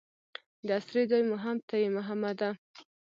د اسرې ځای مو هم ته یې محمده.